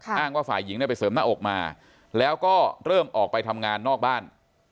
อ้างว่าฝ่ายหญิงไปเสริมหน้าอกมาแล้วก็เริ่มออกไปทำงานนอกบ้าน